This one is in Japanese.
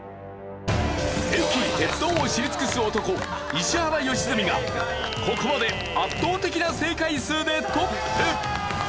駅鉄道を知り尽くす男石原良純がここまで圧倒的な正解数でトップ！